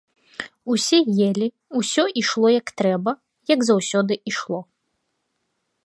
Усе елі, усё ішло як трэба, як заўсёды ішло.